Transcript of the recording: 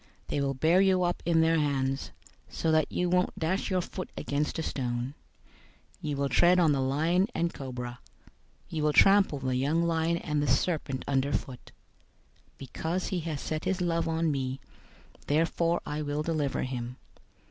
091:012 They will bear you up in their hands, so that you won't dash your foot against a stone. 091:013 You will tread on the lion and cobra. You will trample the young lion and the serpent underfoot. 091:014 "Because he has set his love on me, therefore I will deliver him.